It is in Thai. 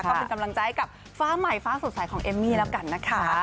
ก็เป็นกำลังใจกับฟ้าใหม่ฟ้าสดใสของเอมมี่แล้วกันนะคะ